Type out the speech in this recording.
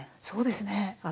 そうですね。